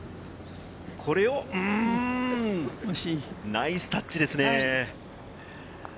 ナイスタッチですね。